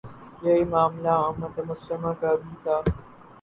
یہی معاملہ امت مسلمہ کا بھی تھا۔